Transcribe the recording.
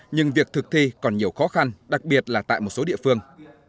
nhưng việc thực thi còn nhiều khó khăn đặc biệt là tại một số địa phương